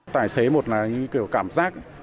tài xế một là những kiểu cảm giác